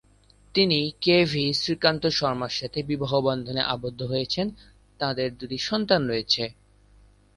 তিনি K V Srikanth শর্মার সাথে বিবাহবন্ধনে আবদ্ধ হয়েছেন, তাঁদের দুটি সন্তান রয়েছে।